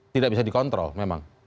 tidak bisa dikontrol memang